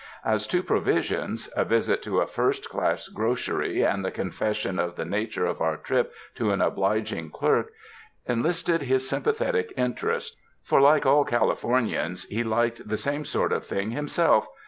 As to provisions, a visit to a first class grocery and the confession of the nature of our trip to an obliging clerk enlisted his sympathetic interest, for like all Californians, he liked the same sort of thing himself.